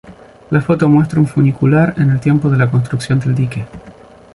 La foto muestra un funicular en el tiempo de la construcción del dique.